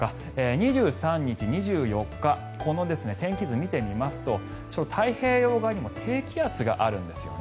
２３日、２４日この天気図を見てみますと太平洋側にも低気圧があるんですよね。